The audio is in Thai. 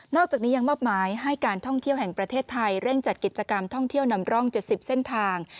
อกจากนี้ยังมอบหมายให้การท่องเที่ยวแห่งประเทศไทยเร่งจัดกิจกรรมท่องเที่ยวนำร่อง๗๐เส้นทาง